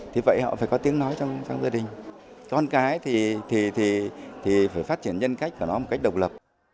thì vậy họ phải có tiếng nói trong gia đình con cái thì phải phát triển nhân cách của nó một cách độc lập